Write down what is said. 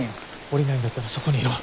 降りないんだったらそこにいろ。